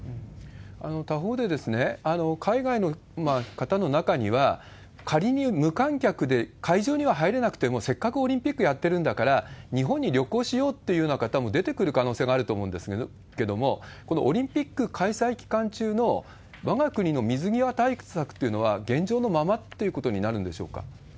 他方で、海外の方の中には、仮に無観客で会場には入れなくても、せっかくオリンピックやってるんだから、日本に旅行しようっていうような方も出てくる可能性があると思うんですけれども、このオリンピック開催期間中のわが国の水際対策っていうのは、現状のままっていうことになるんでしょうか？